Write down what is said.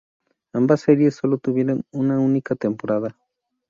Ambas series solo tuvieron una única temporada.